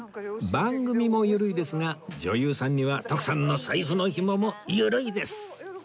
番組もゆるいですが女優さんには徳さんの財布の紐もゆるいです